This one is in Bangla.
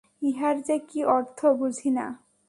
ইহার যে কি অর্থ, বুঝি না।